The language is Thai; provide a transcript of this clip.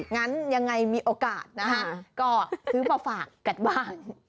งั้นยังไงมีโอกาสนะฮะก็ซื้อมาฝากกันบ้าง